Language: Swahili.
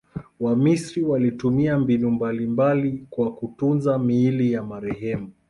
Wamisri walitumia mbinu mbalimbali kwa kutunza miili ya marehemu.